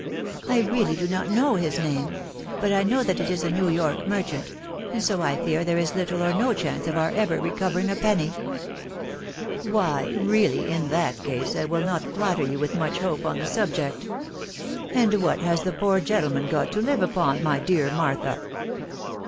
" I really do not know his name, but I know that it is a New York merchant, and so I fear there is little or no chance of our ever recovering a penny." " Why, really, in that case, I will not flatter you with much hope on the subject. And what has the poor old gentle man got to live upon, my dear Martha?